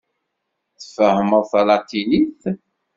Tfehhmeḍ talatinit?